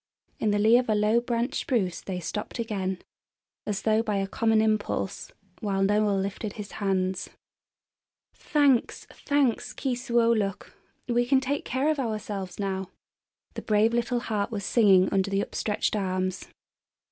In the lee of a low branched spruce they stopped again, as though by a common impulse, while Noel lifted his hands. "Thanks, thanks, Keesuolukh; we can take care of ourselves now," the brave little heart was singing under the upstretched arms.